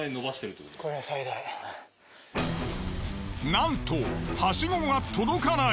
なんとハシゴが届かない。